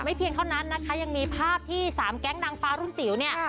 เพียงเท่านั้นนะคะยังมีภาพที่สามแก๊งนางฟ้ารุ่นจิ๋วเนี่ย